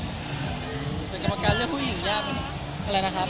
เป็นคำวักการเลือกผู้หญิงยากไหม